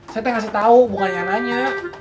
saya kasih tau bukan nanya